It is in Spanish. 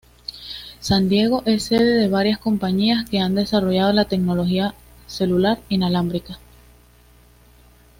San Diego es sede de varias compañías que han desarrollado la tecnología celular inalámbrica.